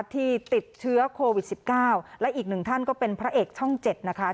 ที่ติดเชื้อโควิด๑๙และอีกหนึ่งท่านก็เป็นพระเอกช่องเจ็ดนะคะ